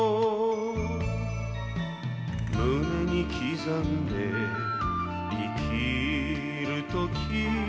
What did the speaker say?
「胸に刻んで生きるとき」